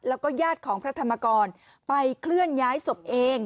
แล้วก็ญาติของพระธรรมกรไปเคลื่อนย้ายศพเอง